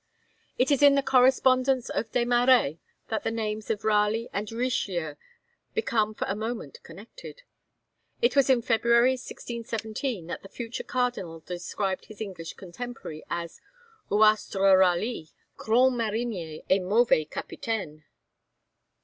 It is in the correspondence of Des Marêts that the names of Raleigh and Richelieu become for a moment connected; it was in February 1617 that the future Cardinal described his English contemporary as 'Ouastre Raly, grand marinier et mauvais capitaine.'